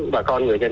bà con người dân